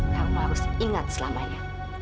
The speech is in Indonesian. kamu harus ingat selamanya